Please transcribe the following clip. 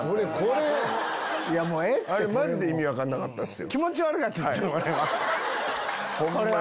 あれマジで意味分かんなかったっすよ。